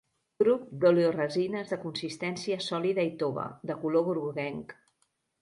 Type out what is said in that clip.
Grup d'oleoresines de consistència sòlida i tova, de color groguenc.